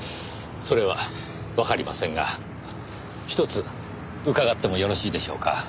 それはわかりませんが一つ伺ってもよろしいでしょうか？